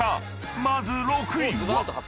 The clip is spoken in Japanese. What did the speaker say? ［まず６位は］